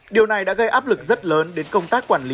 điều này đã gây áp lực rất lớn đến công tác quản lý